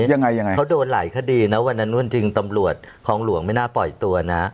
ยังไงยังไงเขาโดนหลายคดีนะวันนั้นวันจริงตำรวจคลองหลวงไม่น่าปล่อยตัวนะ